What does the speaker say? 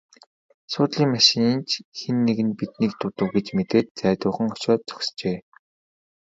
Суудлын машин ч хэн нэг нь биднийг дуудав гэж мэдээд зайдуухан очоод зогсжээ.